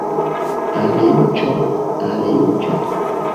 Al Juĝo, al Juĝo!